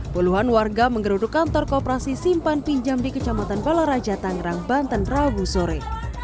puluhan warga menggeruduk kantor kooperasi simpan pinjam di kecamatan balaraja tangerang banten rabu sore